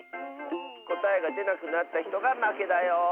こたえがでなくなったひとがまけだよ。